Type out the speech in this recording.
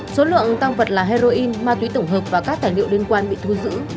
số lượng tăng vật là heroin ma túy tổng hợp và các tài liệu liên quan bị thu giữ